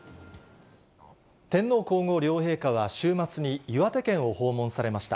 天皇皇后両陛下は、週末に岩手県を訪問されました。